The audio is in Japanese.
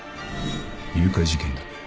誘拐事件だ。